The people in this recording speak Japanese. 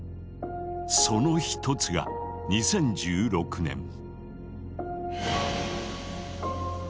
その一つが２０１６年。